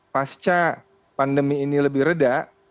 pasca pandemi ini lebih reda